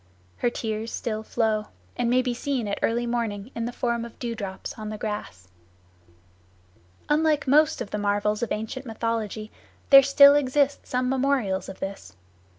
Her tears still flow, and may be seen at early morning in the form of dew drops on the grass. Unlike most of the marvels of ancient mythology, there still exist some memorials of this.